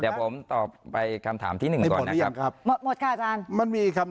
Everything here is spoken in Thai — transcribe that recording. เดี๋ยวผมตอบไปคำถามที่หนึ่งก่อนนะครับ